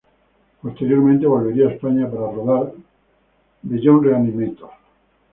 Posteriormente volvería a España para rodar "Beyond Re-animator".